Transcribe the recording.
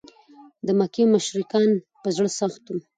د مکې مشرکان په زړه سخت و.